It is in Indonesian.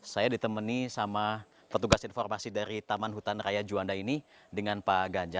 saya ditemani sama petugas informasi dari taman hutan raya juanda ini dengan pak ganja